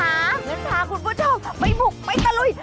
งั้นพาคุณผู้ชมไปบุกไปตะลุย